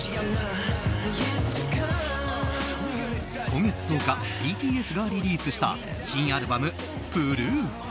今月１０日ＢＴＳがリリースした新アルバム「Ｐｒｏｏｆ」。